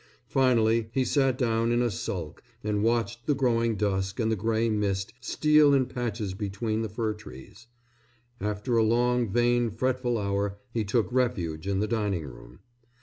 Finally he sat down in a sulk and watched the growing dusk and the gray mist steal in patches between the fir trees. After a long, vain, fretful hour he took refuge in the dining room.